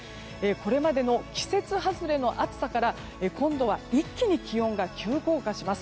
これまでの季節外れの暑さから今度は一気に気温が急降下します。